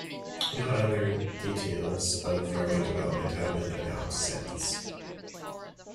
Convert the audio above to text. No other details of further development have been announced since.